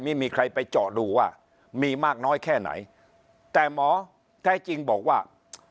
ไม่มีใครไปเจาะดูว่ามีมากน้อยแค่ไหนแต่หมอแท้จริงบอกว่า